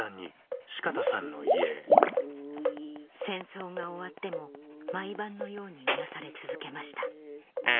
戦争が終わっても毎晩のようにうなされ続けました